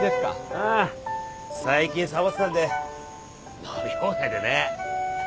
ああ最近サボってたんで伸び放題でね。